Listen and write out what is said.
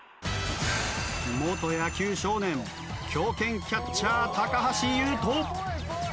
元野球少年強肩キャッチャー橋優斗